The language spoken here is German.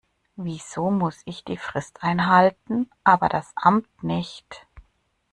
Wieso muss ich die Frist einhalten, aber das Amt nicht.